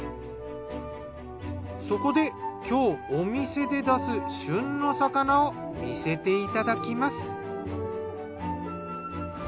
そこで今日お店で出す旬の魚を見せていただきます。